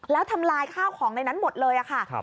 แล้วทำลายข้าวของในนั้นหมดเลยค่ะ